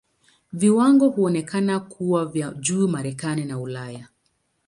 Viwango huonekana kuwa vya juu Marekani na Ulaya.